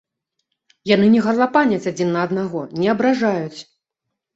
Яны не гарлапаняць адзін на аднаго, не абражаюць!